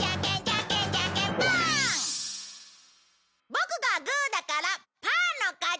ボクがグーだからパーの勝ち！